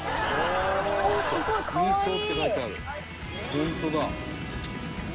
「ホントだ」